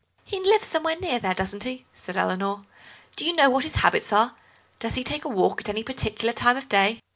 "He lives somewhere near there, doesn't he?" said Eleanor. "Do you know what his habits are? Does he take a walk at any particular time of day?"